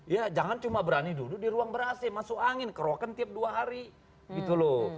ya jangan cuma berani duduk di ruang ber ac masuk angin keroken tiap dua hari gitu loh